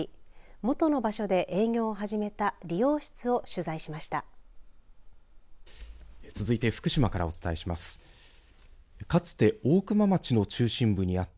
元の場所で営業を始めた理容室を取材しました。